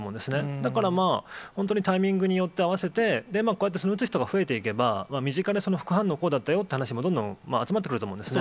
だから、本当にタイミングによって合わせて、こうやって打つ人が増えていけば、身近で副反応こうだったよという話もどんどん集まってくると思うんですね。